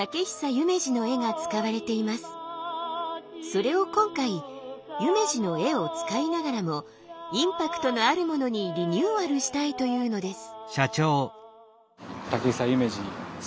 それを今回夢二の絵を使いながらもインパクトのあるものにリニューアルしたいというのです。